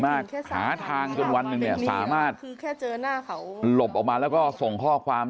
มากหาทางจนวันหนึ่งเนี่ยสามารถหลบออกมาแล้วก็ส่งข้อความ